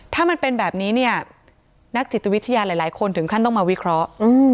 ถ้ามันเป็นแบบนี้เนี่ยนักจิตวิทยาหลายคนถึงขั้นต้องมาวิเคราะห์